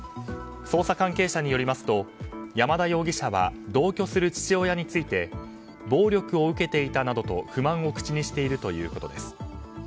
捜査関係者によりますと山田容疑者は同居する父親について暴力を受けていたなどと不満を口にしているということです。